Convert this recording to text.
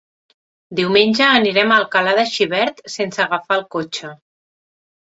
Diumenge anirem a Alcalà de Xivert sense agafar el cotxe.